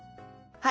はい。